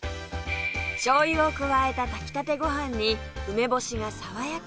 醤油を加えた炊きたてご飯に梅干しが爽やか